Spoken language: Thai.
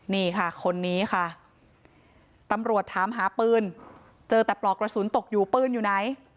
นี่ค่ะคนนี้ค่ะตำรวจถามหาปืนเจอแต่ปลอกกระสุนตกอยู่ปืนอยู่ไหน